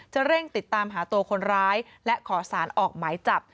เร่งติดตามหาตัวคนร้ายและขอสารออกหมายจับ